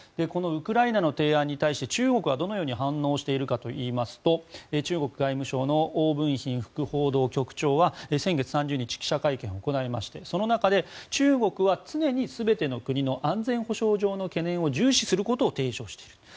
ウクライナの提案に対して中国はどのように反応しているかといいますと中国外務省のオウ・ブンヒン副報道局長は先月３０日記者会見を行いましてその中で、中国は常に全ての国の安全保障上の懸念を重視することを提唱している。